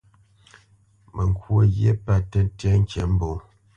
Mə kwǒ ghye pə̂ tə́tyá ŋkǐmbǒ.